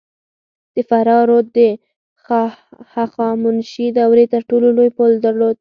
د فراه رود د هخامنشي دورې تر ټولو لوی پل درلود